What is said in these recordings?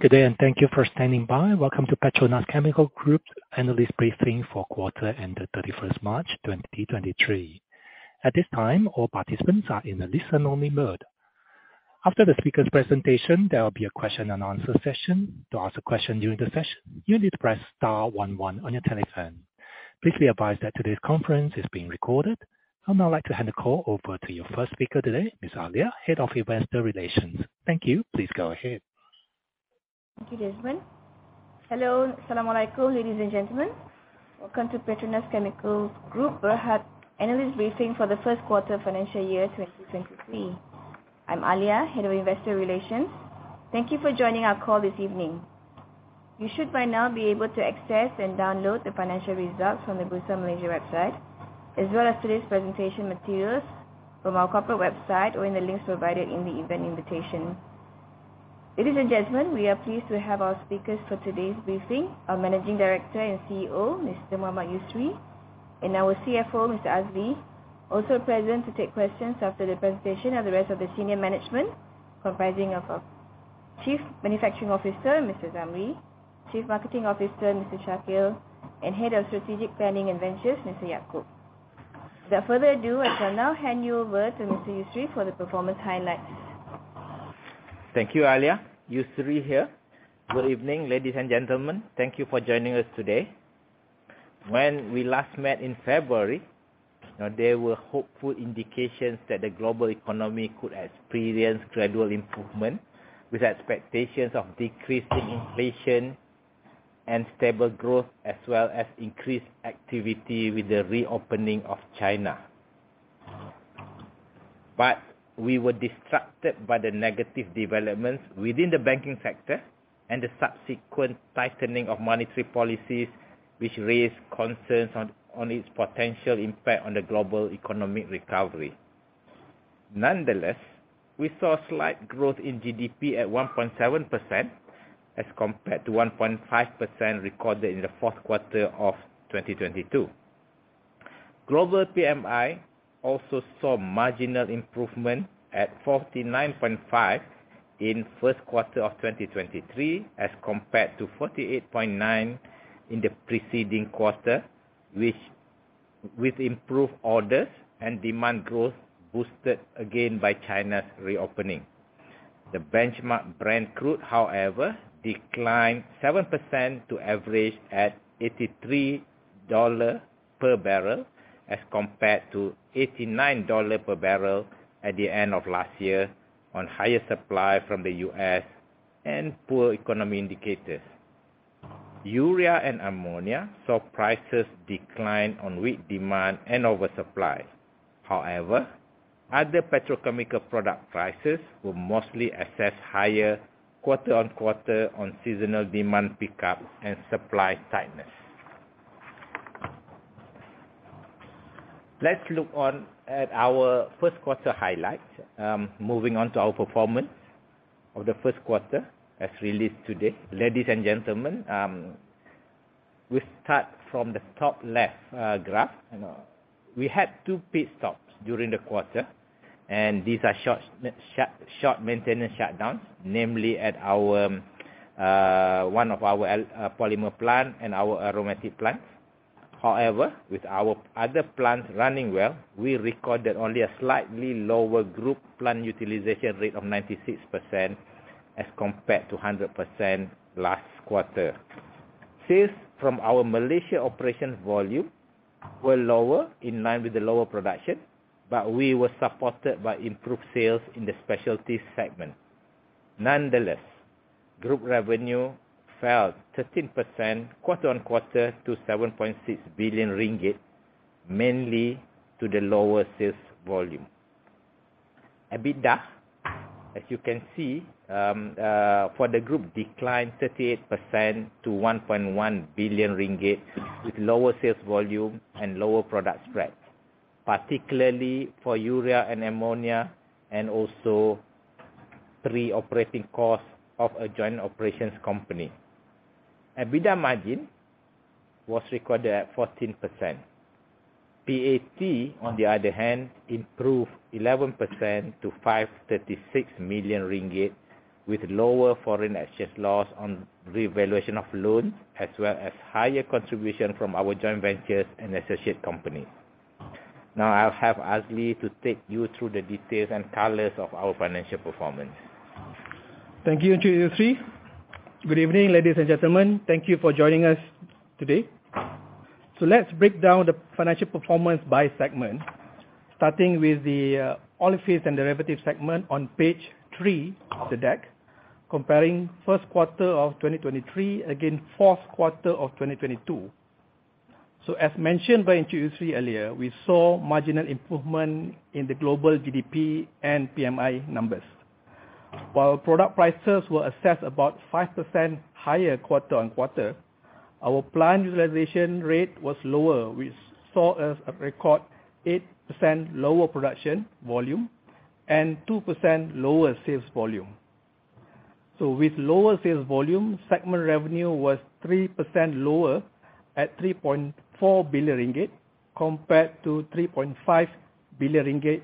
Good day, thank you for standing by. Welcome to PETRONAS Chemicals Group Analyst Briefing for quarter ended 31st March, 2023. At this time, all participants are in a listen only mode. After the speaker's presentation, there will be a question and answer session. To ask a question during the session, you need to press star 11 on your telephone. Please be advised that today's conference is being recorded. I'd now like to hand the call over to your first speaker today, Ms. Alia, Head of Investor Relations. Thank you. Please go ahead. Thank you, Desmond. Hello, ladies and gentlemen. Welcome to PETRONAS Chemicals Group Berhad analyst briefing for the first quarter financial year 2023. I'm Alia, Head of Investor Relations. Thank you for joining our call this evening. You should by now be able to access and download the financial results from the Bursa Malaysia website, as well as today's presentation materials from our corporate website or in the links provided in the event invitation. Ladies and gentlemen, we are pleased to have our speakers for today's briefing, our Managing Director and CEO, Mr. Mohammad Yusri, and our CFO, Mr. Azli. Also present to take questions after the presentation are the rest of the senior management, comprising of our Chief Manufacturing Officer, Mr. Zamri, Chief Marketing Officer, Mr. Syafiq, and Head of Strategic Planning and Ventures, Mr. Yaakob. Without further ado, I shall now hand you over to Mr. Yusri for the performance highlights. Thank you, Alia. Yusri here. Good evening, ladies and gentlemen. Thank you for joining us today. When we last met in February, there were hopeful indications that the global economy could experience gradual improvement, with expectations of decreasing inflation and stable growth, as well as increased activity with the reopening of China. We were disrupted by the negative developments within the banking sector and the subsequent tightening of monetary policies, which raised concerns on its potential impact on the global economic recovery. Nonetheless, we saw slight growth in GDP at 1.7% as compared to 1.5% recorded in the fourth quarter of 2022. Global PMI also saw marginal improvement at 49.5 in first quarter of 2023, as compared to 48.9 in the preceding quarter, which with improved orders and demand growth, boosted again by China's reopening. The benchmark Brent crude, however, declined 7% to average at $83 per barrel, as compared to $89 per barrel at the end of last year, on higher supply from the U.S. and poor economy indicators. Urea and ammonia saw prices decline on weak demand and oversupply. However, other petrochemical product prices were mostly assessed higher quarter-on-quarter, on seasonal demand pickup and supply tightness. Let's look on at our first quarter highlights. Moving on to our performance of the first quarter as released today. Ladies and gentlemen, we start from the top left graph. We had two pit stops during the quarter, and these are short maintenance shutdowns, namely at our one of our polymer plant and our aromatic plant. With our other plants running well, we recorded only a slightly lower group plant utilization rate of 96% as compared to 100% last quarter. Sales from our Malaysia operations volume were lower, in line with the lower production, but we were supported by improved sales in the specialties segment. Group revenue fell 13% quarter-on-quarter to 7.6 billion ringgit, mainly to the lower sales volume. EBITDA, as you can see, for the group, declined 38% to 1.1 billion ringgit, with lower sales volume and lower product spreads, particularly for urea and ammonia, and also pre-operating costs of a joint operation company. EBITDA margin was recorded at 14%. PAT, on the other hand, improved 11% to 536 million ringgit, with lower foreign exchange loss on revaluation of loans, as well as higher contribution from our joint ventures and associate company. I'll have Azli to take you through the details and colors of our financial performance. Thank you, Yusri. Good evening, ladies and gentlemen. Thank you for joining us today. Let's break down the financial performance by segment, starting with the Olefins and Derivatives segment on page 3 of the deck, comparing first quarter of 2023 against fourth quarter of 2022. As mentioned by Yusri earlier, we saw marginal improvement in the global GDP and PMI numbers. While product prices were assessed about 5% higher quarter-on-quarter, our plant utilization rate was lower. We saw a record 8% lower production volume and 2% lower sales volume. With lower sales volume, segment revenue was 3% lower at 3.4 billion ringgit, compared to 3.5 billion ringgit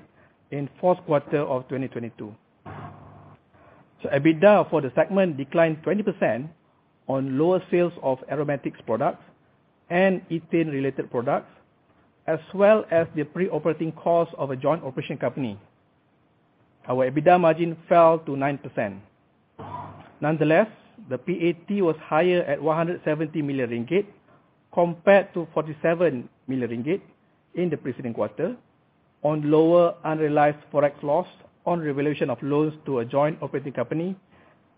in fourth quarter of 2022. EBITDA for the segment declined 20% on lower sales of aromatics products and ethane-related products, as well as the pre-operating costs of a joint operation company. Our EBITDA margin fell to 9%. Nonetheless, the PAT was higher at 170 million ringgit, compared to 47 million ringgit in the preceding quarter, on lower unrealized Forex loss, on revaluation of loans to a joint operating company,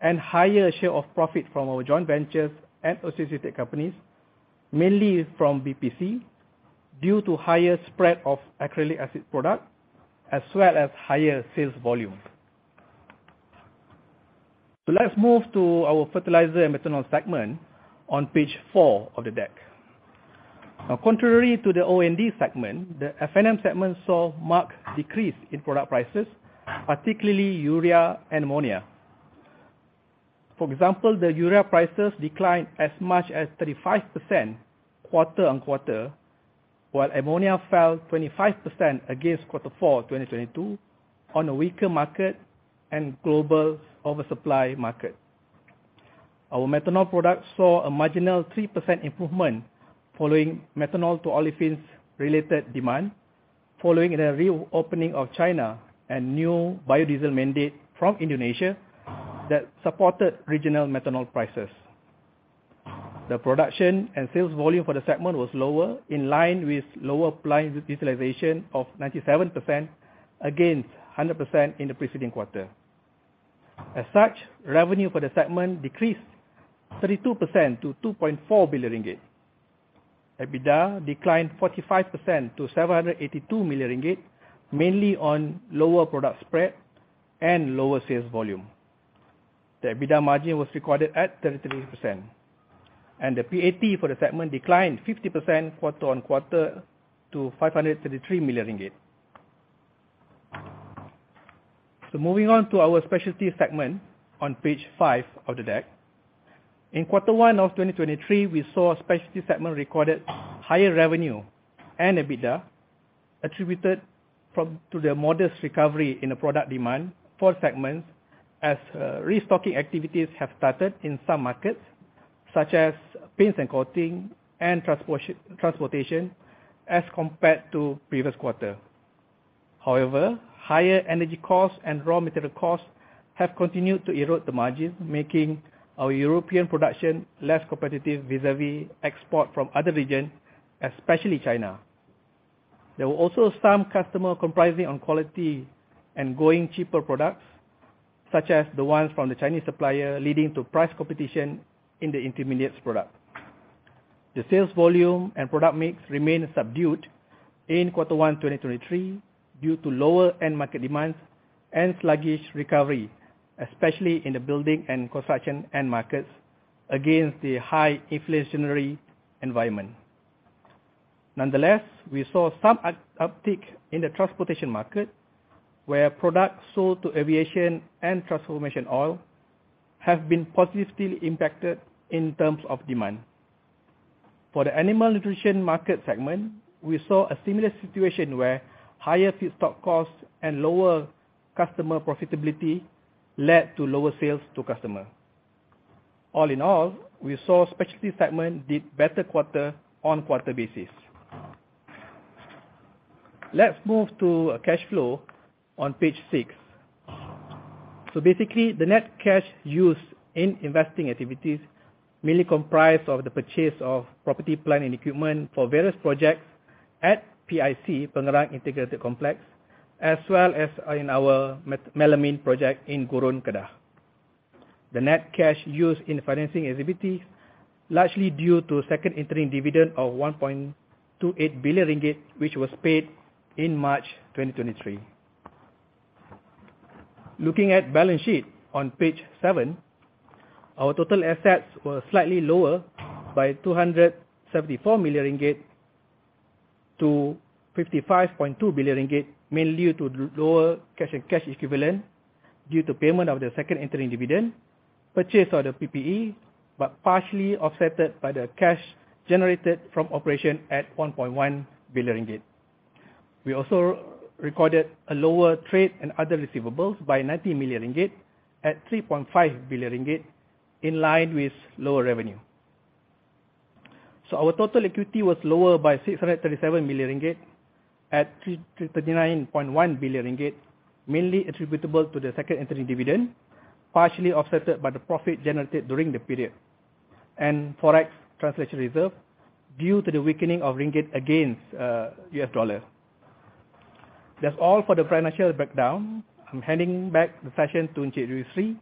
and higher share of profit from our joint ventures and associated companies, mainly from BPC, due to higher spread of acrylic acid product, as well as higher sales volume. Let's move to our Fertilizer and Methanol segment on page 4 of the deck. Contrary to the O&D segment, the F&M segment saw marked decrease in product prices, particularly urea and ammonia. For example, the urea prices declined as much as 35% quarter-on-quarter, while ammonia fell 25% against Q4 2022, on a weaker market and global oversupply market. Our methanol products saw a marginal 3% improvement following methanol to olefins related demand, following the reopening of China and new biodiesel mandate from Indonesia, that supported regional methanol prices. The production and sales volume for the segment was lower, in line with lower plant utilization of 97% against 100% in the preceding quarter. Revenue for the segment decreased 32% to 2.4 billion ringgit. EBITDA declined 45% to 782 million ringgit, mainly on lower product spread and lower sales volume. The EBITDA margin was recorded at 33%. The PAT for the segment declined 50% quarter-on-quarter to MYR 533 million. Moving on to our Specialty segment on page five of the deck. In quarter one of 2023, we saw Specialty segment recorded higher revenue and EBITDA, attributed to the modest recovery in the product demand for segments, as restocking activities have started in some markets, such as paints and coating and transportation, as compared to previous quarter. However, higher energy costs and raw material costs have continued to erode the margins, making our European production less competitive vis-a-vis export from other regions, especially China. There were also some customer compromising on quality and going cheaper products, such as the ones from the Chinese supplier, leading to price competition in the intermediates product. The sales volume and product mix remained subdued in quarter one 2023, due to lower end market demands and sluggish recovery, especially in the building and construction end markets, against the high inflationary environment. Nonetheless, we saw some uptick in the transportation market, where products sold to aviation and transformation oil have been positively impacted in terms of demand. For the animal nutrition market segment, we saw a similar situation, where higher feedstock costs and lower customer profitability led to lower sales to customer. All in all, we saw Specialty segment did better quarter-on-quarter basis. Let's move to cash flow on page 6. Basically, the net cash used in investing activities mainly comprise of the purchase of property, plant, and equipment for various projects at PIC, Pengerang Integrated Complex, as well as in our melamine project in Gurun, Kedah. The net cash used in financing activities, largely due to second interim dividend of 1.28 billion ringgit, which was paid in March 2023. Looking at balance sheet on page 7, our total assets were slightly lower by 274 million ringgit to 55.2 billion ringgit, mainly due to lower cash and cash equivalent, due to payment of the second interim dividend, purchase of the PPE, but partially offsetted by the cash generated from operation at 1.1 billion ringgit. We also recorded a lower trade and other receivables by 90 million ringgit, at 3.5 billion ringgit, in line with lower revenue. Our total equity was lower by 637 million ringgit, at 39.1 billion ringgit, mainly attributable to the second interim dividend, partially offsetted by the profit generated during the period, and Forex translation reserve, due to the weakening of ringgit against US dollar. That's all for the financial breakdown. I'm handing back the session to Encik Yusri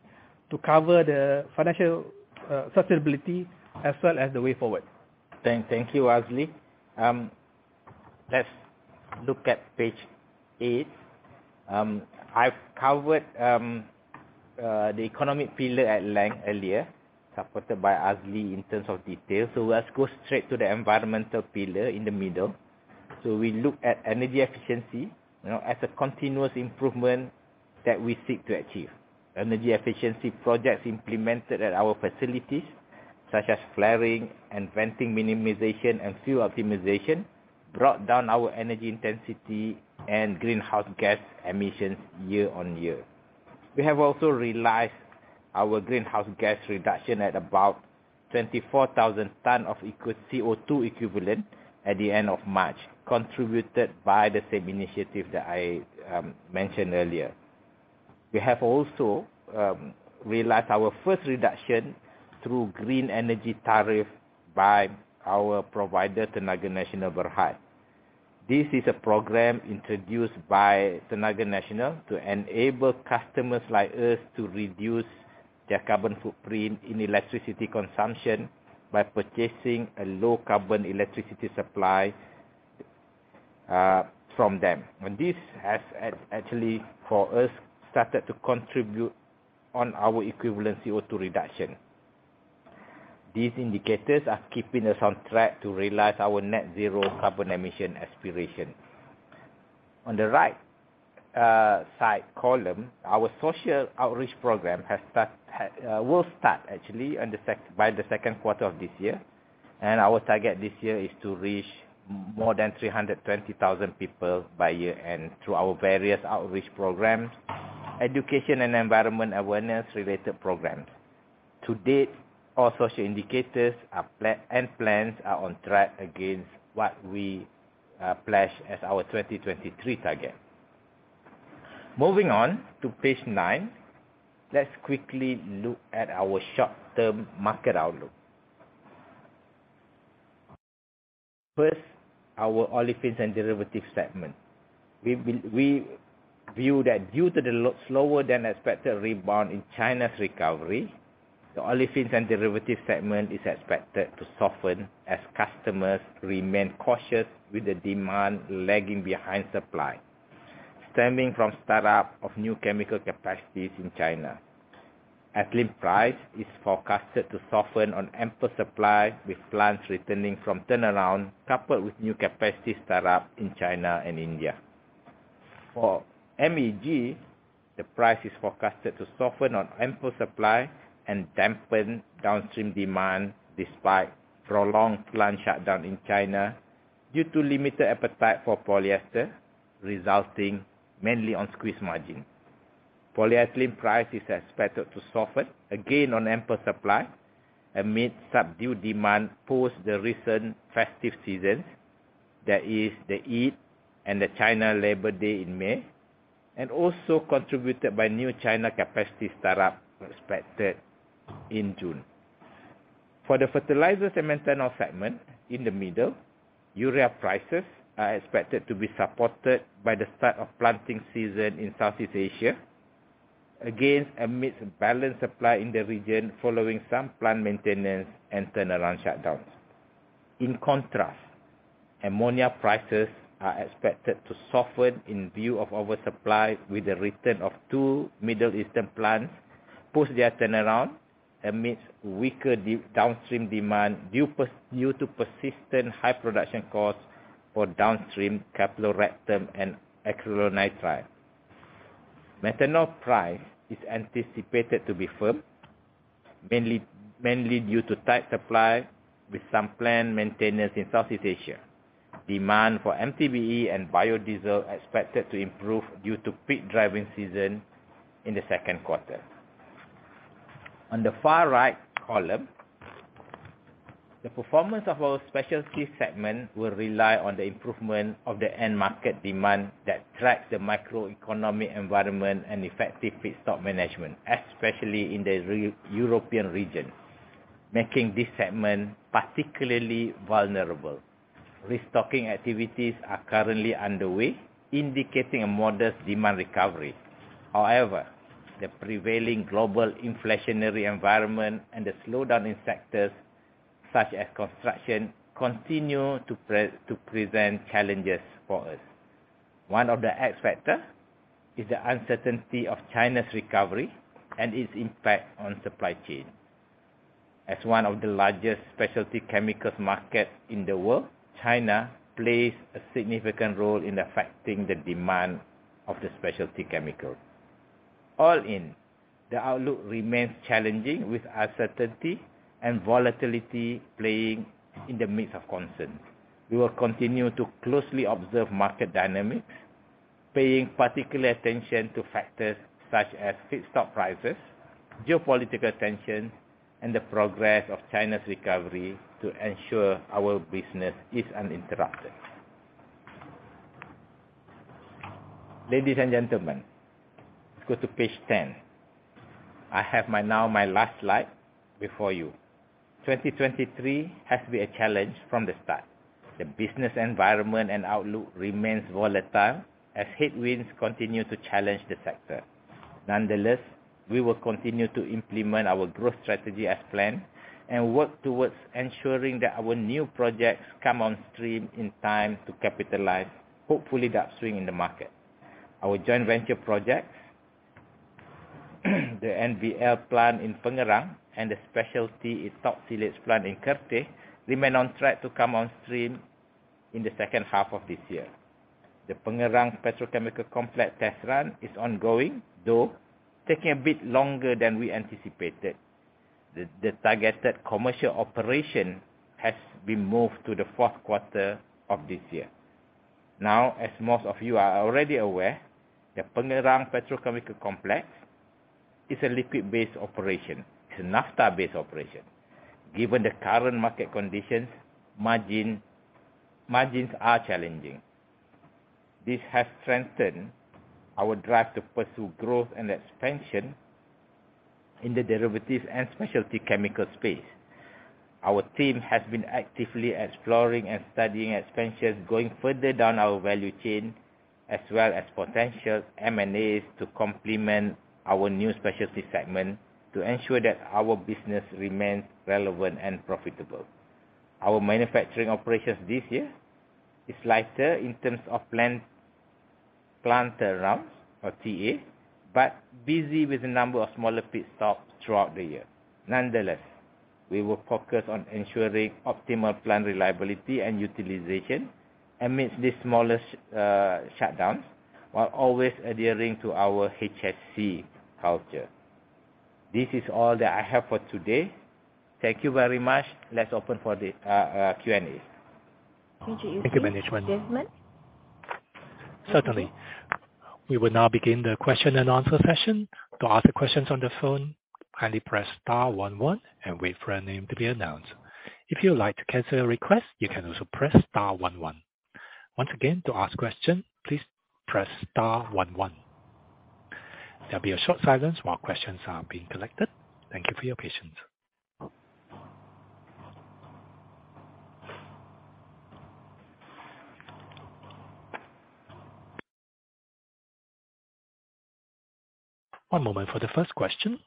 to cover the financial sustainability, as well as the way forward. Thank you, Azli. Let's look at page 8. I've covered the economic pillar at length earlier, supported by Azli in terms of detail. Let's go straight to the environmental pillar in the middle. We look at energy efficiency, you know, as a continuous improvement that we seek to achieve. Energy efficiency projects implemented at our facilities such as flaring and venting minimization and fuel optimization, brought down our energy intensity and greenhouse gas emissions year-on-year. We have also realized our greenhouse gas reduction at about 24,000 tons of equal CO₂ equivalent at the end of March, contributed by the same initiative that I mentioned earlier. We have also realized our first reduction through green energy tariff by our provider, Tenaga Nasional Berhad. This is a program introduced by Tenaga Nasional Berhad to enable customers like us to reduce their carbon footprint in electricity consumption by purchasing a low carbon electricity supply from them. This has actually, for us, started to contribute on our equivalent CO₂ reduction. These indicators are keeping us on track to realize our net zero carbon emissions aspiration. On the right side column, our social outreach program will start, actually, by the second quarter of this year, our target this year is to reach more than 320,000 people by year-end, through our various outreach programs, education and environment awareness related programs. To date, all social indicators and plans are on track against what we pledged as our 2023 target. Moving on to page 9. Let's quickly look at our short-term market outlook. First, our Olefins and Derivatives segment. We view that due to the slower than expected rebound in China's recovery, the Olefins and Derivatives segment is expected to soften as customers remain cautious, with the demand lagging behind supply, stemming from start up of new chemical capacities in China. Ethylene price is forecasted to soften on ample supply, with plants returning from turnaround, coupled with new capacity start up in China and India. For MEG, the price is forecasted to soften on ample supply and dampen downstream demand, despite prolonged plant shutdown in China due to limited appetite for polyester, resulting mainly on squeeze margin. Polyethylene price is expected to soften again on ample supply amid subdued demand post the recent festive seasons, that is the Eid and the China Labor Day in May, and also contributed by new China capacity start up expected in June. For the Fertilizers and Methanol segment, in the middle, urea prices are expected to be supported by the start of planting season in Southeast Asia, again, amidst balanced supply in the region, following some plant maintenance and turnaround shutdowns. In contrast, ammonia prices are expected to soften in view of oversupply, with the return of two Middle Eastern plants, push their turnaround amidst weaker downstream demand due to persistent high production costs for downstream caprolactam and acrylonitrile. Methanol price is anticipated to be firm, mainly due to tight supply with some plant maintenance in Southeast Asia. Demand for MTBE and biodiesel are expected to improve due to peak driving season in the second quarter. On the far right column, the performance of our Specialty segment will rely on the improvement of the end market demand that tracks the macroeconomic environment and effective feedstock management, especially in the European region, making this segment particularly vulnerable. Restocking activities are currently underway, indicating a modest demand recovery. However, the prevailing global inflationary environment and the slowdown in sectors such as construction, continue to present challenges for us. One of the X factor is the uncertainty of China's recovery and its impact on supply chain. As one of the largest specialty chemicals market in the world, China plays a significant role in affecting the demand of the specialty chemical. All in, the outlook remains challenging, with uncertainty and volatility playing in the midst of concern. We will continue to closely observe market dynamics, paying particular attention to factors such as feedstock prices, geopolitical tension, and the progress of China's recovery, to ensure our business is uninterrupted. Ladies and gentlemen, go to page 10. I have my last slide before you. 2023 has been a challenge from the start. The business environment and outlook remains volatile as headwinds continue to challenge the sector. We will continue to implement our growth strategy as planned and work towards ensuring that our new projects come on stream in time to capitalize, hopefully, the upswing in the market. Our joint venture projects, the NPG plant in Pengerang and the Specialty siloxanes plant in Kertih, remain on track to come on stream in the second half of this year. The Pengerang Petrochemical Complex test run is ongoing, though taking a bit longer than we anticipated. The targeted commercial operation has been moved to the fourth quarter of this year. As most of you are already aware, the Pengerang Petrochemical Complex is a liquid-based operation. It's a naphtha-based operation. Given the current market conditions, margins are challenging. This has strengthened our drive to pursue growth and expansion in the derivatives and specialty chemical space. Our team has been actively exploring and studying expansions, going further down our value chain, as well as potential M&As to complement our new specialty segment, to ensure that our business remains relevant and profitable. Our manufacturing operations this year is lighter in terms of planned turnarounds or TA, but busy with a number of smaller pit stops throughout the year. Nonetheless, we will focus on ensuring optimal plant reliability and utilization amidst these smaller shutdowns, while always adhering to our HSE culture. This is all that I have for today. Thank you very much. Let's open for the Q&A. Thank you, management. Certainly. We will now begin the question and answer session. To ask questions on the phone, kindly press star one one and wait for your name to be announced. If you'd like to cancel a request, you can also press star one one. Once again, to ask question, please press star one one. There'll be a short silence while questions are being collected. Thank you for your patience. One moment for the first question.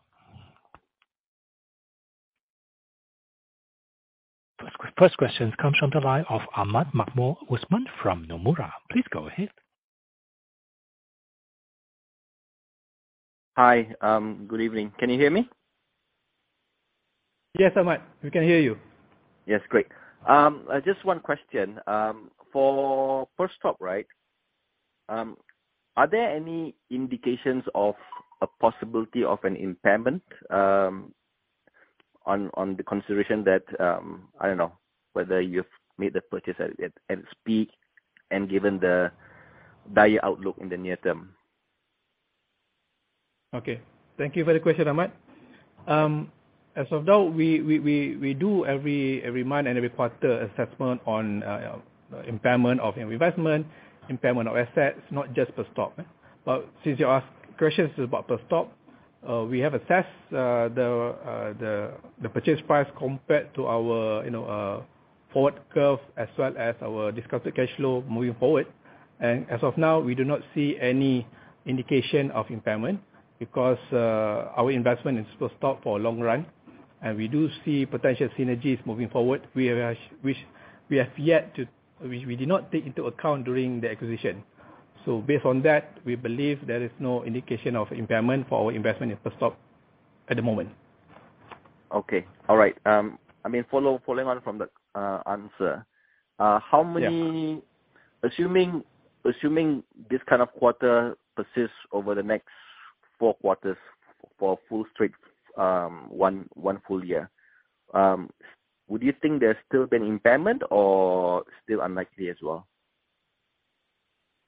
First question comes from the line of Ahmad Maghfur Usman from Nomura. Please go ahead. Hi. Good evening. Can you hear me? Yes, Ahmad, we can hear you. Yes. Great. Just one question. For Perstorp, right, are there any indications of a possibility of an impairment, on the consideration that, I don't know, whether you've made the purchase at its peak and given the dire outlook in the near term? Okay. Thank you for the question, Ahmad. As of now, we do every month and every quarter, assessment on impairment of investment, impairment of assets, not just Perstorp. Since you asked questions about Perstorp, we have assessed the purchase price compared to our, you know, forward curve, as well as our discounted cash flow moving forward. As of now, we do not see any indication of impairment because our investment in Perstorp for long run, and we do see potential synergies moving forward. Which we have yet to... We did not take into account during the acquisition. Based on that, we believe there is no indication of impairment for our investment in Perstorp at the moment. Okay. All right. I mean, following on from that, answer, Yeah. Assuming this kind of quarter persists over the next four quarters for full strength, one full year, would you think there's still been impairment or still unlikely as well?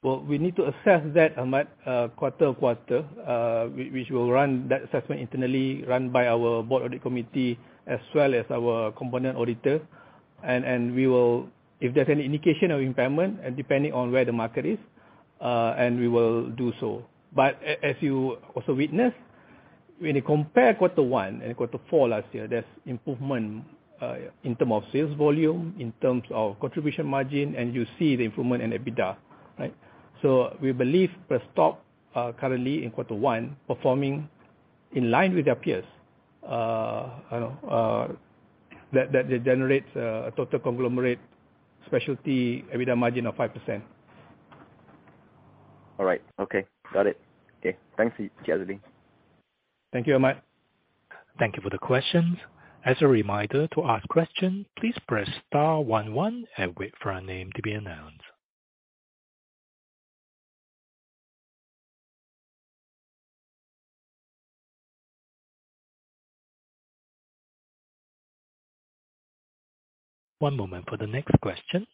We need to assess that, Ahmad, quarter by quarter, which will run that assessment internally, run by our board audit committee as well as our component auditor. We will, if there's any indication of impairment and depending on where the market is, we will do so. As you also witness, when you compare quarter one and quarter four last year, there's improvement, in term of sales volume, in terms of contribution margin, and you see the improvement in EBITDA, right? We believe Perstorp, currently in quarter one, performing in line with their peers. I know that generates a total conglomerate specialty EBITDA margin of 5%. All right. Okay. Got it. Okay. Thanks. Cheers. Thank you, Ahmad. Thank you for the questions. As a reminder, to ask question, please press star 11 and wait for your name to be announced. One moment for the next question.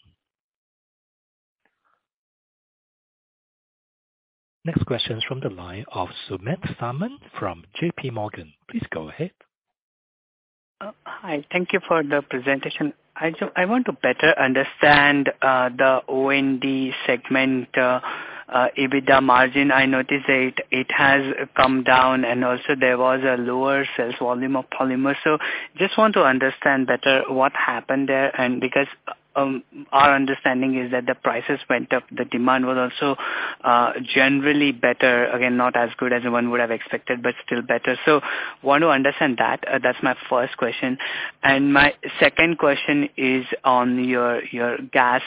Next question is from the line of Sumedh Samant from J.P. Morgan. Please go ahead. Hi. Thank you for the presentation. I want to better understand the O&D segment EBITDA margin. I notice that it has come down, and also there was a lower sales volume of polymers. Just want to understand better what happened there, and because our understanding is that the prices went up, the demand was also generally better. Again, not as good as one would have expected, but still better. Want to understand that. That's my first question. My second question is on your gas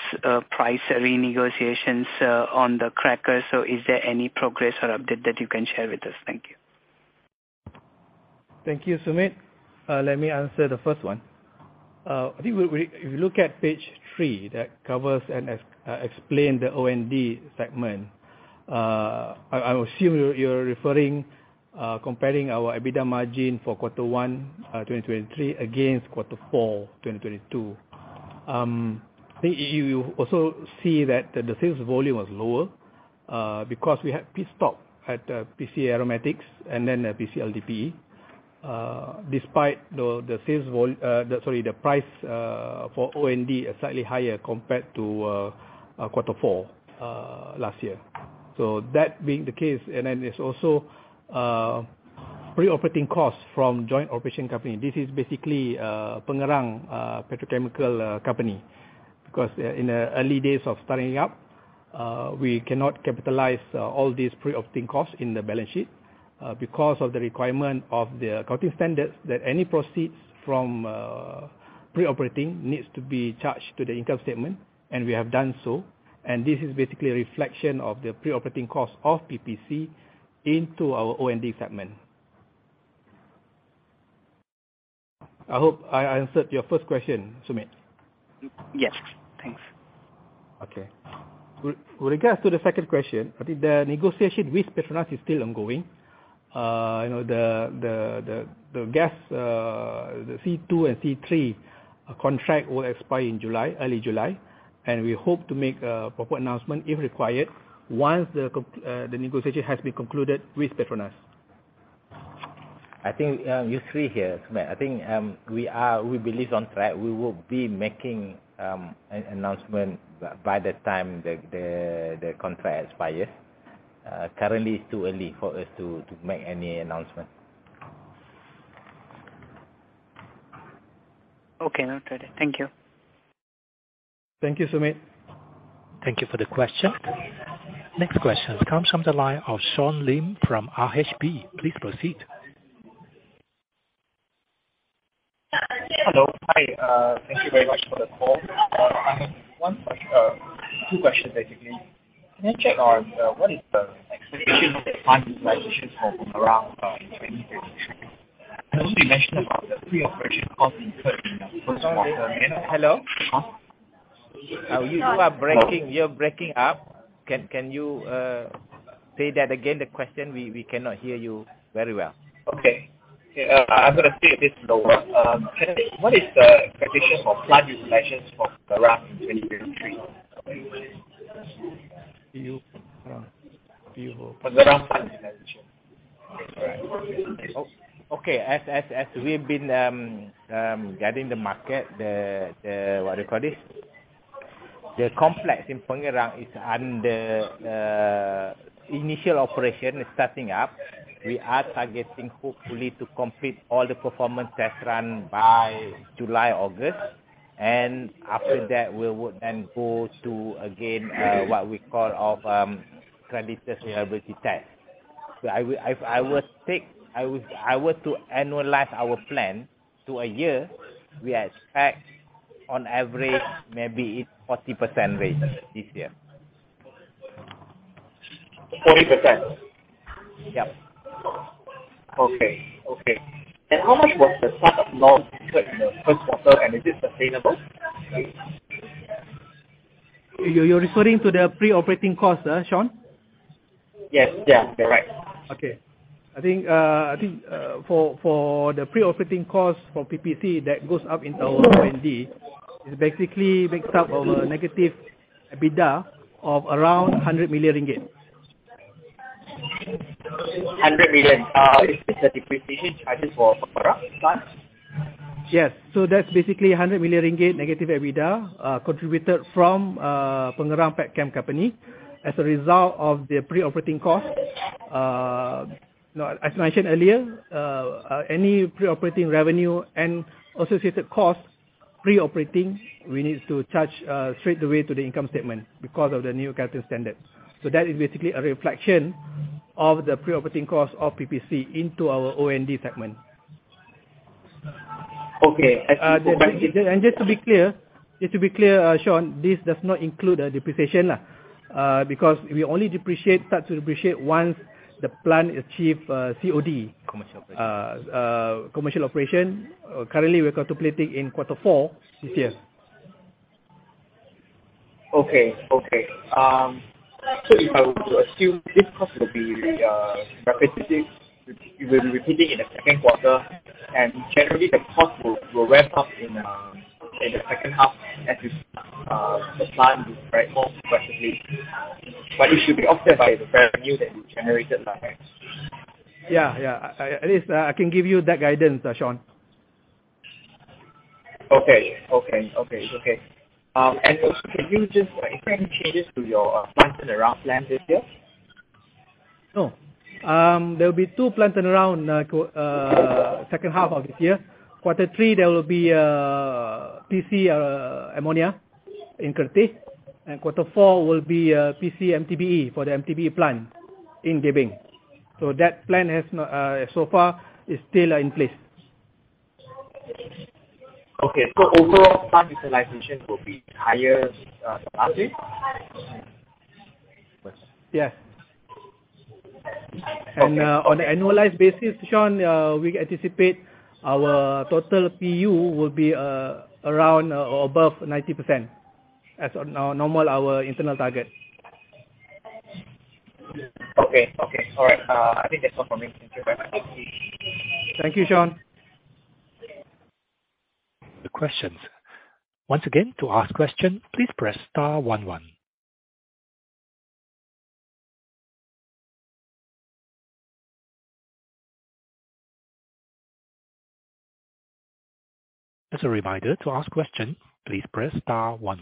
price renegotiations on the cracker. Is there any progress or update that you can share with us? Thank you. Thank you, Sumedh. Let me answer the first one. I think we if you look at page 3, that covers and explain the O&D segment. I assume you're referring comparing our EBITDA margin for Q1 2023 against Q4 2022. I think you also see that the sales volume was lower because we had pit stop at PC Aromatics and then at PC LDPE. Despite the sales vol, sorry, the price for O&D are slightly higher compared to Q4 last year. That being the case, and then there's also pre-operating costs from joint operation company. This is basically Pengerang Petrochemical Company, because in the early days of starting up, we cannot capitalize all these pre-operating costs in the balance sheet, because of the requirement of the accounting standards, that any proceeds from pre-operating needs to be charged to the income statement, and we have done so. This is basically a reflection of the pre-operating costs of PPC into our O&D segment. I hope I answered your first question, Sumedh. Yes. Thanks. Okay. With regards to the second question, I think the negotiation with PETRONAS is still ongoing. You know, the gas, the C2 and C3 contract will expire in July, early July. We hope to make a proper announcement, if required, once the negotiation has been concluded with PETRONAS. I think, you see here, Sumedh, I think, we are, we believe on track. We will be making an announcement by the time the contract expires. Currently, it's too early for us to make any announcement. Okay, noted. Thank you. Thank you, Sumedh. Thank you for the question. Next question comes from the line of Sean Lim from RHB. Please proceed. Hello. Hi, thank you very much for the call. I have two questions, basically. Can I check on what is the expectation for plant utilization for Pengerang in 2023? You mentioned about the pre-operation costs incurred in the first quarter. Hello? Huh? You are breaking. Hello. You're breaking up. Can you say that again, the question? We cannot hear you very well. Okay. Yeah, I'm gonna say it this lower. What is the prediction for plant utilization for Pengerang in 2023? Pengerang plant utilization. For Pengerang plant utilization. All right. Okay, as we've been guiding the market, what you call this? The complex in Pengerang is under initial operation, is starting up. We are targeting, hopefully, to complete all the performance test run by July, August. After that, we would then go to, again, what we call of credibility reliability test. I would take, I were to annualize our plan to a year, we expect on average, maybe it's 40% range this year. 40%? Yep. Okay. How much was the start-up loss incurred in the first quarter, and is it sustainable? You're referring to the pre-operating costs, Sean? Yes. Yeah, you're right. I think for the pre-operating costs for PPC, that goes up into our O&D. It basically makes up of a negative EBITDA of around 100 million ringgit. 100 million. Is this the depreciation charges for Pengerang plant? Yes. That's basically 100 million ringgit negative EBITDA, contributed from Pengerang Petrochemical Company, as a result of the pre-operating cost. No, as mentioned earlier, any pre-operating revenue and associated costs, pre-operating, we need to charge straight away to the income statement because of the new accounting standard. That is basically a reflection of the pre-operating costs of PPC into our O&D segment. Okay. Just to be clear, Sean, this does not include a depreciation because we only start to depreciate once the plant achieve COD. Commercial operation. Commercial operation. Currently, we're contemplating in quarter four this year. Okay. Okay. If I were to assume this cost will be repetitive, it will be repeating in the second quarter. Generally, the cost will ramp up in the second half as you the plan, right, more progressively. It should be offset by the revenue that you generated by then? Yeah, yeah. At least I can give you that guidance, Sean. Okay. Okay, okay. Okay. Any changes to your plant turnaround plans this year? No. There will be 2 plant turnaround, second half of this year. Quarter 3, there will be PC Ammonia in Kertih, and Quarter 4 will be PC MTBE for the MTBE plant in Gebeng. That plan has not, so far is still in place. Okay, overall, plant utilization will be higher, partly? Yes. Okay. On the annualized basis, Sean, we anticipate our total PU will be around above 90%, as on our normal internal target. Okay. Okay. All right, I think that's all for me. Thank you very much. Thank you, Sean. The questions. Once again, to ask question, please press star one. As a reminder, to ask question, please press star one.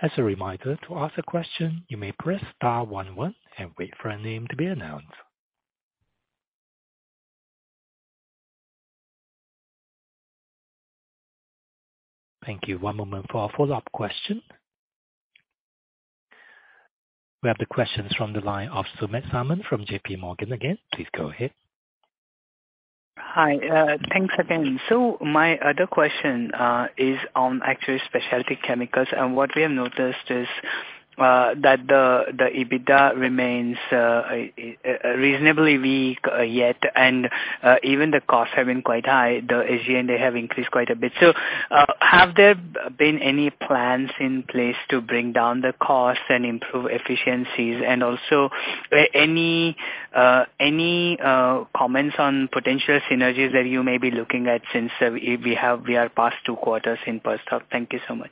As a reminder, to ask a question, you may press star one, and wait for a name to be announced. Thank you. One moment for our follow-up question. We have the questions from the line of Sumedh Samant from JP Morgan again. Please go ahead. Hi. Thanks again. My other question is on actually specialty chemicals. What we have noticed is that the EBITDA remains reasonably weak yet, and even the costs have been quite high. The AGN, they have increased quite a bit. Have there been any plans in place to bring down the costs and improve efficiencies? Also, any comments on potential synergies that you may be looking at since we are past two quarters in Perstorp? Thank you so much.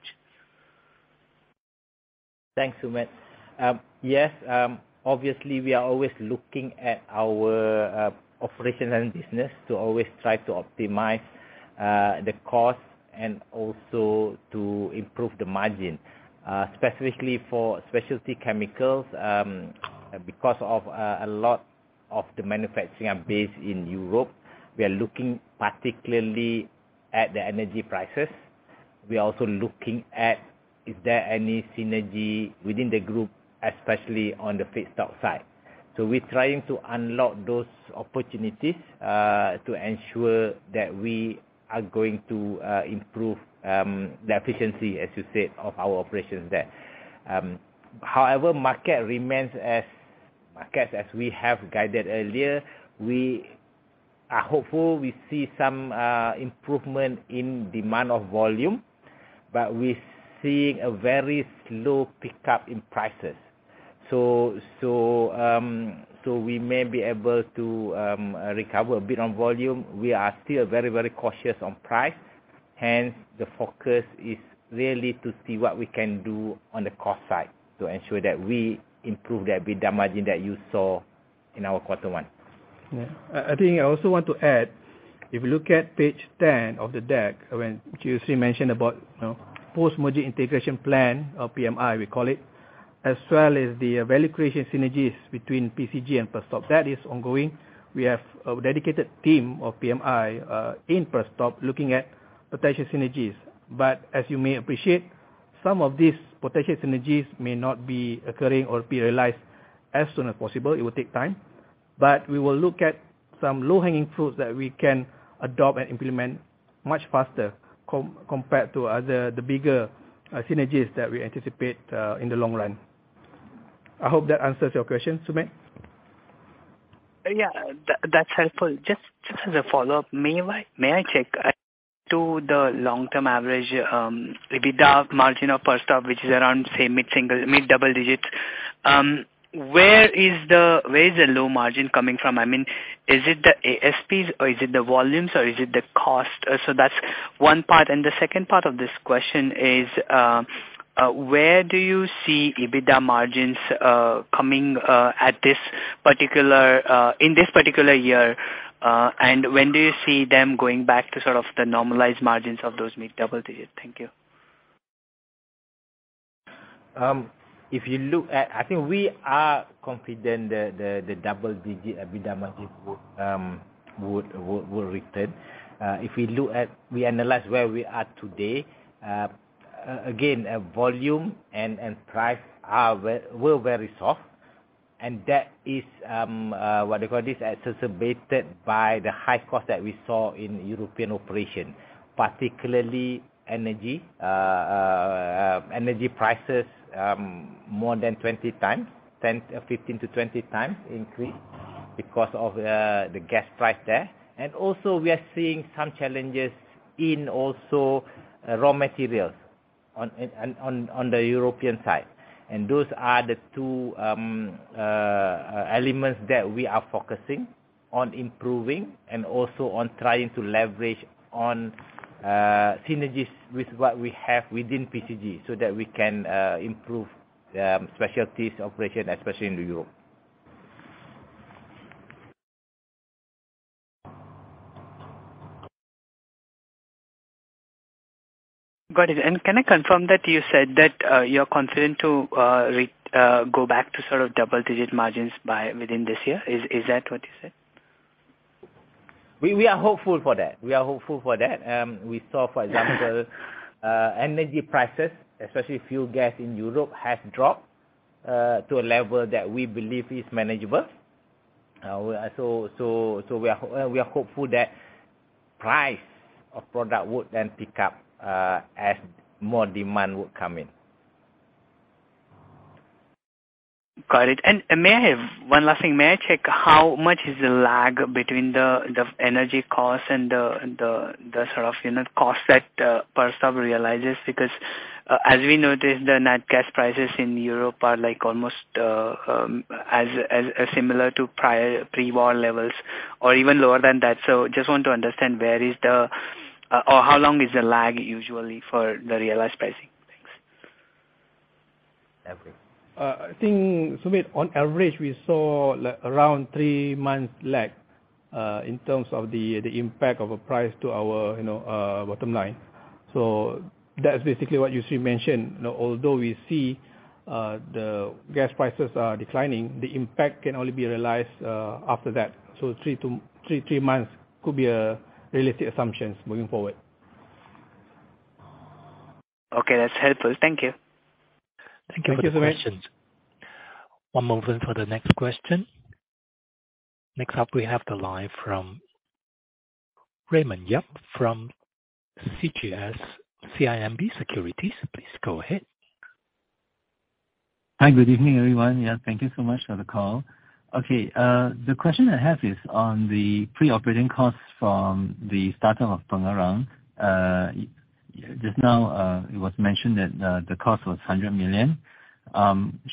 Thanks, Sumedh. Yes, obviously, we are always looking at our operational business to always try to optimize the cost and also to improve the margin. Specifically for specialty chemicals, because of a lot of the manufacturing are based in Europe, we are looking particularly at the energy prices. We are also looking at is there any synergy within the group, especially on the feedstock side. We're trying to unlock those opportunities to ensure that we are going to improve the efficiency, as you said, of our operations there. Market remains as market, as we have guided earlier, we are hopeful we see some improvement in demand of volume, but we're seeing a very slow pickup in prices. We may be able to recover a bit on volume. We are still very, very cautious on price, hence the focus is really to see what we can do on the cost side to ensure that we improve that EBITDA margin that you saw in our quarter one. Yeah. I think I also want to add, if you look at page 10 of the deck, when PCG mentioned about, you know, post-merger integration plan, or PMI, we call it, as well as the value creation synergies between PCG and Perstorp, that is ongoing. We have a dedicated team of PMI in Perstorp, looking at potential synergies. As you may appreciate, some of these potential synergies may not be occurring or be realized as soon as possible. It will take time, but we will look at some low-hanging fruits that we can adopt and implement much faster compared to other, the bigger synergies that we anticipate in the long run. I hope that answers your question, Sumedh. Yeah, that's helpful. Just as a follow-up, may I check to the long-term average EBITDA margin of Perstorp, which is around, say, mid-single, mid-double digits. Where is the low margin coming from? I mean, is it the ASPs, or is it the volumes, or is it the cost? That's one part. The second part of this question is, where do you see EBITDA margins coming in this particular year? When do you see them going back to sort of the normalized margins of those mid-double digits? Thank you. If you look at... I think we are confident the double-digit EBITDA margin would return. If we look at, we analyze where we are today, again, volume and price are very, were very soft, and that is what do you call this? Exacerbated by the high cost that we saw in European operation, particularly energy. Energy prices, more than 20 times, 10, 15-20 times increase because of the gas price there. Also we are seeing some challenges in also raw materials on the European side. Those are the two elements that we are focusing on improving and also on trying to leverage on synergies with what we have within PCG, so that we can improve specialties operation, especially in Europe. Got it. Can I confirm that you said that, you're confident to go back to sort of double-digit margins by within this year? Is that what you said? We are hopeful for that. We are hopeful for that. We saw, for example, energy prices, especially fuel gas in Europe, has dropped to a level that we believe is manageable. We are hopeful that price of product would then pick up as more demand would come in. Got it. May I have one last thing? May I check how much is the lag between the energy cost and the sort of, you know, cost that Perstorp realizes? Because as we noticed, the net gas prices in Europe are like almost as similar to prior pre-war levels or even lower than that. Just want to understand or how long is the lag usually for the realized pricing? Thanks. Andrew. I think Sumedh, on average, we saw like around three months lag, in terms of the impact of a price to our, you know, bottom line. That's basically what you see mentioned. Although we see the gas prices are declining, the impact can only be realized after that. three months could be a realistic assumption moving forward. Okay, that's helpful. Thank you. Thank you for the question. Thank you. One moment for the next question. Next up, we have the line from Raymond Yap, from CGS-CIMB Securities. Please go ahead. Hi, good evening, everyone. Yeah, thank you so much for the call. Okay, the question I have is on the pre-operating costs from the start of Pengerang. Just now, it was mentioned that the cost was 100 million.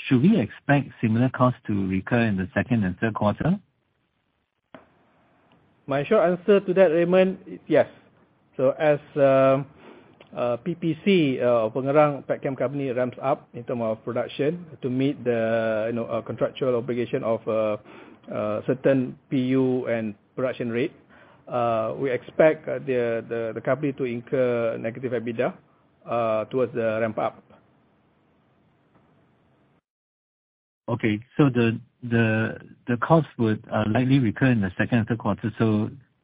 Should we expect similar costs to recur in the second and third quarter? My short answer to that, Raymond, is yes. As PPC, Pengerang Petrochemical Company ramps up in term of production to meet the, you know, contractual obligation of certain PU and production rate, we expect the company to incur negative EBITDA towards the ramp up. Okay. The cost would likely recur in the second and third quarter.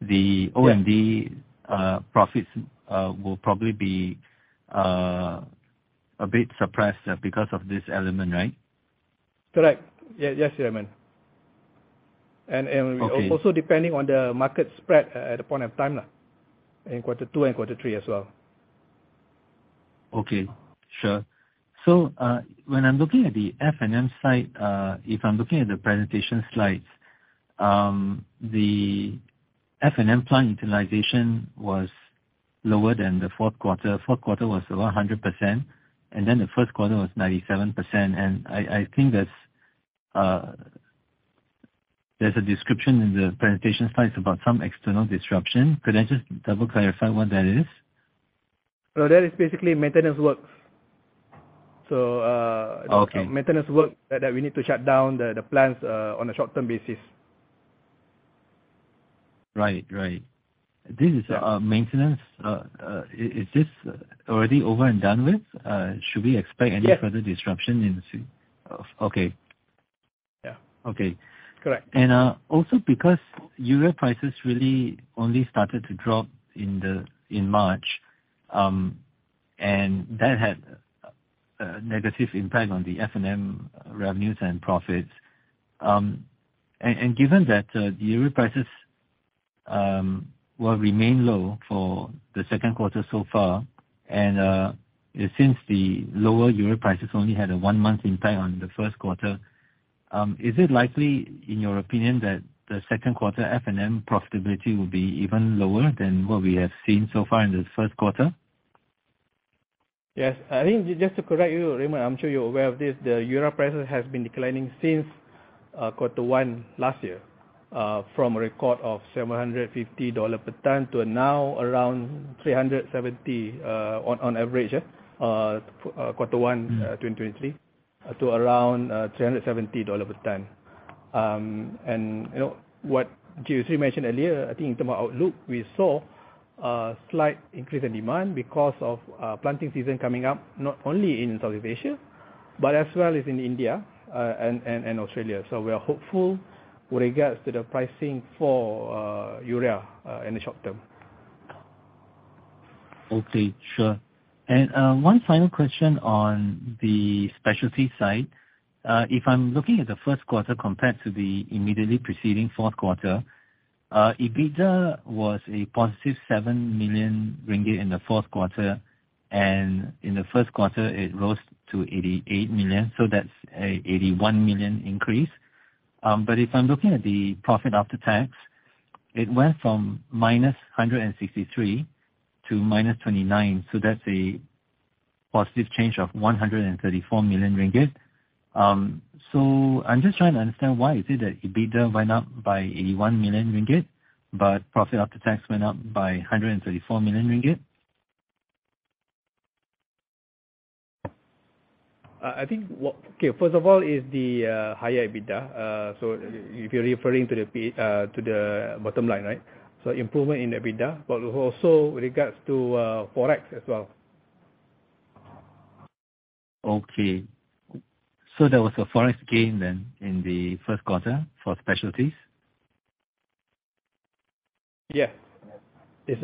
Yes OMD profits will probably be a bit suppressed because of this element, right? Correct. Yeah. Yes, Raymond. Okay ... also, depending on the market spread, at the point of time, in quarter two and quarter three as well. Okay. Sure. When I'm looking at the F&M side, if I'm looking at the presentation slides, the F&M plant utilization was lower than the fourth quarter. Fourth quarter was over 100%, and then the first quarter was 97%. I think that's. There's a description in the presentation slides about some external disruption. Could I just double clarify what that is? That is basically maintenance works. Okay. Maintenance work that we need to shut down the plants on a short-term basis. Right. Yeah... maintenance. Is this already over and done with? Should we expect any- Yes... further disruption in the... Okay. Yeah. Okay. Correct. Also because urea prices really only started to drop in March, and that had a negative impact on the F&M revenues and profits. Given that the urea prices will remain low for the second quarter so far, and since the lower urea prices only had a one-month impact on the first quarter, is it likely, in your opinion, that the second quarter F&M profitability will be even lower than what we have seen so far in the first quarter? Yes. I think just to correct you, Raymond, I'm sure you're aware of this, the urea prices has been declining since quarter one last year, from a record of $750 per ton to now around $370 on average, yeah, quarter one. Mm-hmm... 2023, to around $370 per ton. You know what, Yusri mentioned earlier, I think in terms of outlook, we saw a slight increase in demand because of planting season coming up, not only in South Asia, but as well as in India, and Australia. We are hopeful with regards to the pricing for urea in the short term. Okay, sure. One final question on the specialty side. If I'm looking at the first quarter compared to the immediately preceding fourth quarter, EBITDA was a positive 7 million ringgit in the fourth quarter, and in the first quarter, it rose to 88 million, so that's a 81 million increase. If I'm looking at the profit after tax, it went from -163 million to -29 million, so that's a positive change of 134 million ringgit. I'm just trying to understand, why is it that EBITDA went up by 81 million ringgit, but profit after tax went up by 134 million ringgit? I think Okay, first of all, is the higher EBITDA. If you're referring to the bottom line, right? Improvement in EBITDA, but also with regards to Forex as well. Okay. There was a Forex gain then in the first quarter for specialties? Yeah. It's,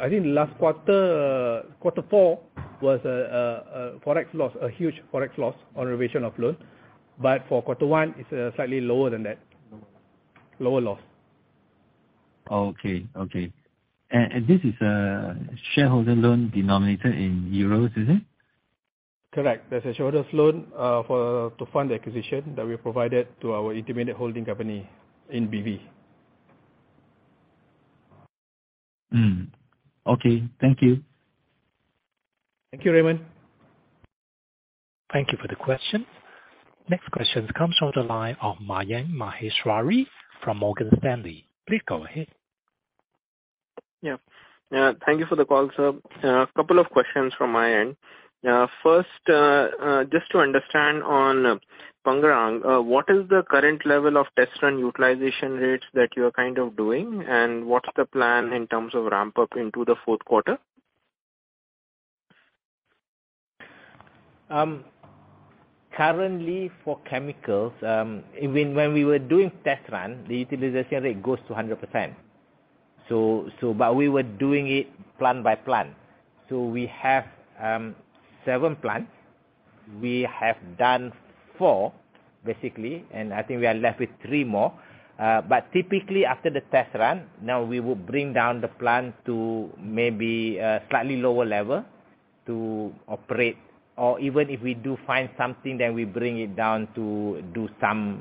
I think last quarter four was a Forex loss, a huge Forex loss on revision of loss. For quarter one, it's slightly lower than that. Lower loss. Okay. Okay. This is a shareholder loan denominated in euros, is it? Correct. There's a shareholder's loan to fund the acquisition that we provided to our intermediate holding company in BV Okay, thank you. Thank you, Raymond. Thank you for the question. Next question comes from the line of Mayank Maheshwari from Morgan Stanley. Please go ahead. Yeah. Thank you for the call, sir. A couple of questions from my end. First, just to understand on Pengerang, what is the current level of test run utilization rates that you are kind of doing, and what is the plan in terms of ramp up into the fourth quarter? Currently for chemicals, even when we were doing test run, the utilization rate goes to 100%. But we were doing it plant by plant. We have 7 plants. We have done 4, basically, and I think we are left with 3 more. But typically, after the test run, now we will bring down the plant to maybe a slightly lower level to operate, or even if we do find something, then we bring it down to do some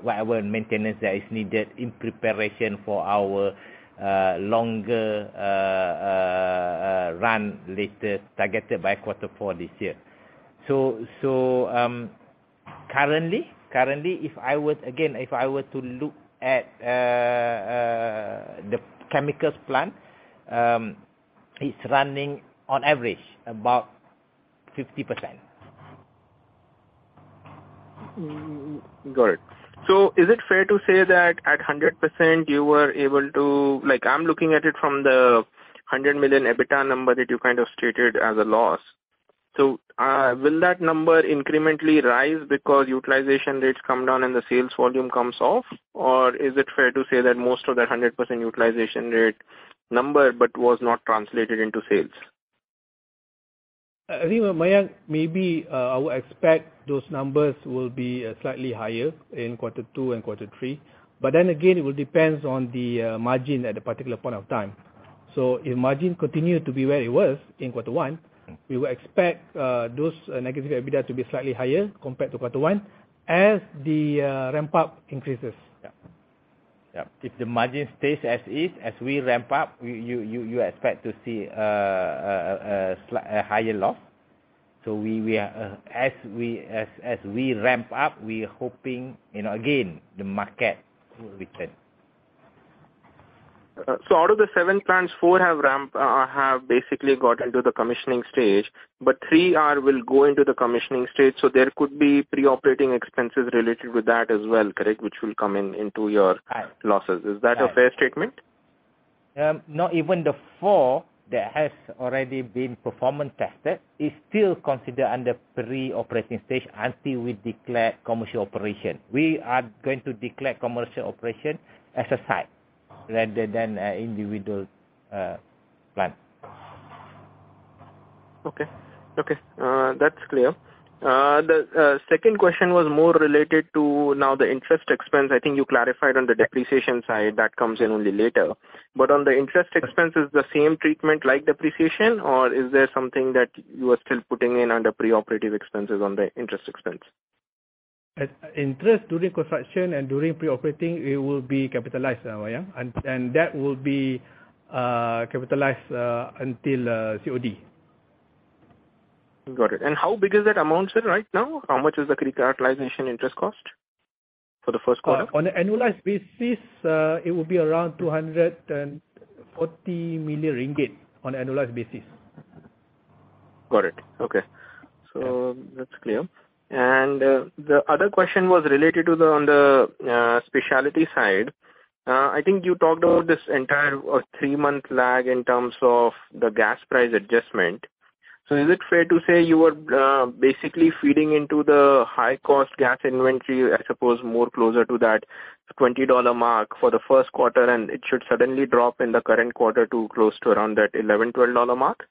whatever maintenance that is needed in preparation for our longer run later, targeted by quarter four this year. Currently, if I were, again, if I were to look at the chemicals plant, it's running on average about 50%. Got it. Is it fair to say that at 100%, you were able to... Like, I'm looking at it from the $100 million EBITDA number that you kind of stated as a loss. Will that number incrementally rise because utilization rates come down and the sales volume comes off? Or is it fair to say that most of the 100% utilization rate number, but was not translated into sales? I think, Mayank, maybe, I would expect those numbers will be slightly higher in quarter two and quarter three. Again, it will depends on the margin at a particular point of time. If margin continue to be where it was in quarter one, we will expect those negative EBITDA to be slightly higher compared to quarter one, as the ramp-up increases. Yeah. Yeah. If the margin stays as is, as we ramp up, you expect to see a higher loss. We are. As we ramp up, we are hoping, you know, again, the market will return. Out of the 7 plants, 4 have basically got into the commissioning stage, but 3 will go into the commissioning stage, so there could be pre-operating expenses related with that as well, correct, which will come in, into your- Right. losses. Is that a fair statement? No, even the 4 that has already been performance tested, is still considered under pre-operating stage until we declare commercial operation. We are going to declare commercial operation as a site, rather than, individual, plant. Okay. Okay, that's clear. The second question was more related to now the interest expense. I think you clarified on the depreciation side, that comes in only later. On the interest expenses, the same treatment like depreciation, or is there something that you are still putting in under pre-operative expenses on the interest expense? As interest during construction and during pre-operating, it will be capitalized, Mayank, and that will be capitalized until COD. Got it. How big is that amount right now? How much is the characterization interest cost for the first quarter? On an annualized basis, it will be around 240 million ringgit, on annualized basis. Got it. Okay. That's clear. The other question was related to the, on the specialty side. I think you talked about this entire three-month lag in terms of the gas price adjustment. Is it fair to say you were basically feeding into the high-cost gas inventory, I suppose more closer to that $20 mark for the first quarter, and it should suddenly drop in the current quarter to close to around that $11-$12 mark?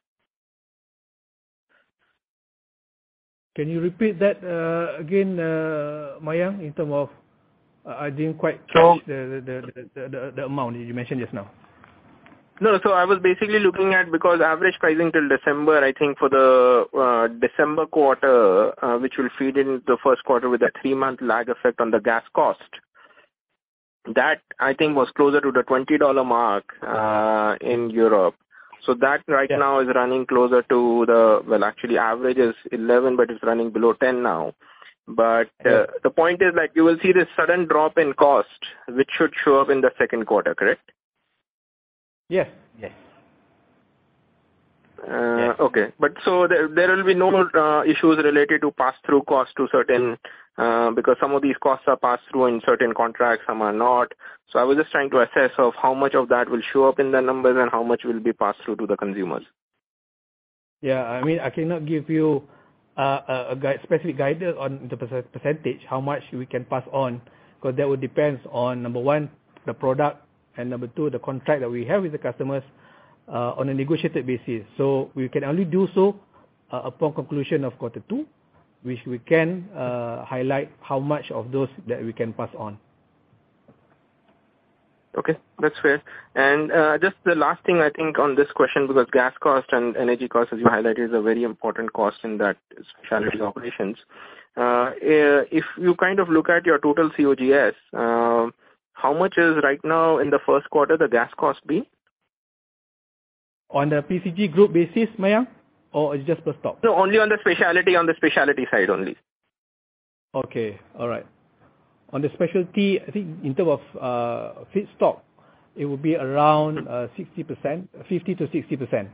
Can you repeat that again, Mayank, in term of? So- catch the amount you mentioned just now. I was basically looking at, because average pricing till December, I think for the December quarter, which will feed in the 1st quarter with a 3-month lag effect on the gas cost. That, I think, was closer to the $20 mark in Europe. That right now is running closer to the, well, actually, average is $11, but it's running below $10 now. The point is, like, you will see this sudden drop in cost, which should show up in the 2nd quarter, correct? Yes. Yes. Okay. Yes. There will be no issues related to pass-through costs to certain, because some of these costs are passed through in certain contracts, some are not. I was just trying to assess of how much of that will show up in the numbers and how much will be passed through to the consumers. Yeah, I mean, I cannot give you a guide, specific guidance on the per-percentage, how much we can pass on, because that would depends on, number 1, the product, and number 2, the contract that we have with the customers, on a negotiated basis. We can only do so upon conclusion of quarter 2, which we can highlight how much of those that we can pass on. Okay, that's fair. Just the last thing I think on this question, because gas cost and energy cost, as you highlighted, is a very important cost in that specialty operations. If you kind of look at your total COGS, how much is right now in the first quarter, the gas cost be? On the PCG group basis, Mayank, or it's just per stock? No, only on the specialty, on the specialty side only. Okay, all right. On the specialty, I think in terms of, feedstock, it would be around, 60%, 50%-60%.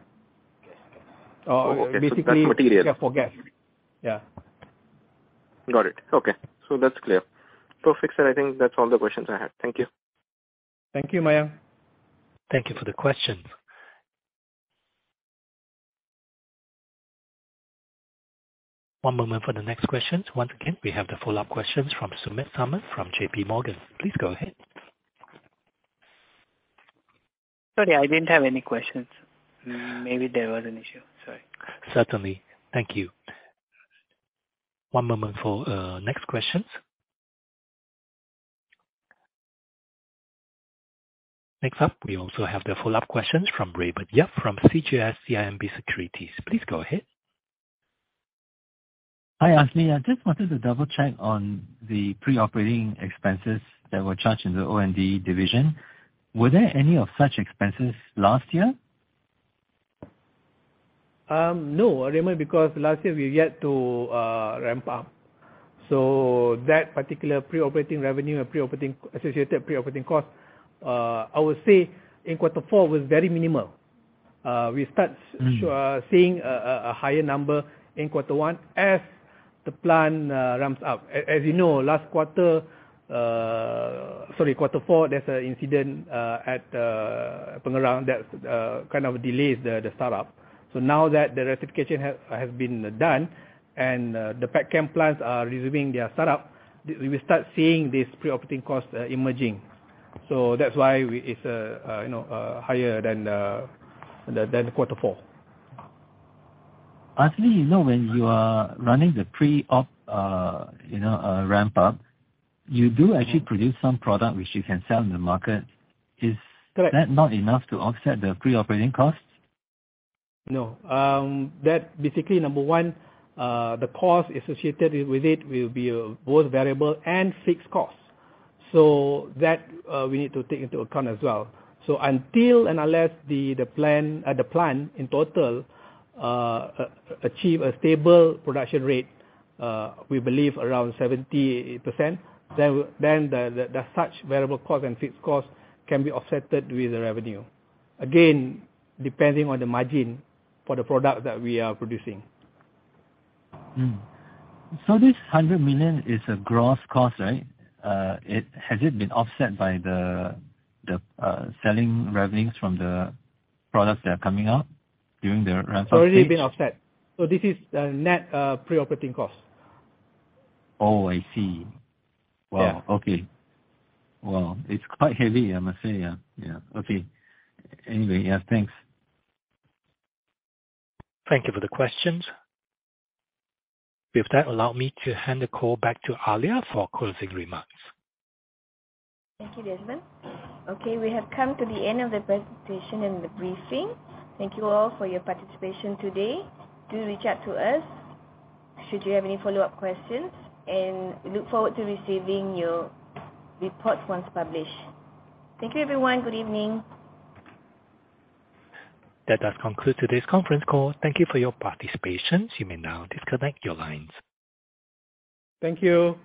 Okay. Uh, basically- That's material. for gas. Yeah. Got it. Okay, so that's clear. Fix it. I think that's all the questions I had. Thank you. Thank you, Mayank. Thank you for the question. One moment for the next questions. Once again, we have the follow-up questions from Sumedh Samant, from JP Morgan. Please go ahead. Sorry, I didn't have any questions. Maybe there was an issue. Sorry. Certainly. Thank you. One moment for next questions. Next up, we also have the follow-up questions from Raymond Yap, from CGS-CIMB Securities. Please go ahead. Hi, Azli. I just wanted to double-check on the pre-operating expenses that were charged in the O&D division. Were there any of such expenses last year? No, Raymond, because last year we're yet to ramp up. That particular pre-operating revenue and associated pre-operating cost, I would say in quarter four was very minimal. Mm. seeing a higher number in quarter one as the plan ramps up. As you know, last quarter. Sorry, quarter four, there's an incident at Pengerang that kind of delays the start-up. Now that the rectification has been done and the pet chem plants are resuming their start-up, we start seeing this pre-operating costs emerging. That's why we it's, you know, higher than the quarter four. Azli, you know, when you are running the pre-op, you know, ramp up, you do actually produce some product which you can sell in the market. Correct. Is that not enough to offset the pre-operating costs? No. That basically, number 1, the cost associated with it will be both variable and fixed costs. We need to take into account as well. Until and unless the plan in total achieve a stable production rate, we believe around 70%, then such variable costs and fixed costs can be offset with the revenue. Again, depending on the margin for the product that we are producing. This 100 million is a gross cost, right? Has it been offset by the selling revenues from the products that are coming out during the ramp up phase? Already been offset. This is the net, pre-operating cost. Oh, I see. Yeah. Wow! Okay. Wow, it's quite heavy, I must say, yeah. Yeah. Okay. Anyway, yeah, thanks. Thank you for the questions. With that, allow me to hand the call back to Alia for closing remarks. Thank you, Desmond. Okay, we have come to the end of the presentation and the briefing. Thank you all for your participation today. Do reach out to us should you have any follow-up questions, and look forward to receiving your reports once published. Thank you, everyone. Good evening. That does conclude today's conference call. Thank you for your participation. You may now disconnect your lines. Thank you.